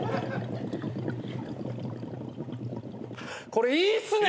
これいいっすね！